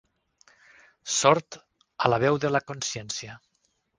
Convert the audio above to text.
Sord a la veu de la consciència.